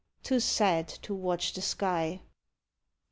Too sad to watch the sky.